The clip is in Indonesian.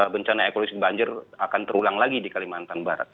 bencana ekologi banjir akan terulang lagi di kalimantan barat